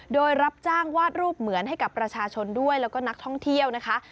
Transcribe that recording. โดยรับจ้างวาดรูปเหมือนให้กับประชาชนด้วยแล้วก็นักท่องเที่ยวนะคะ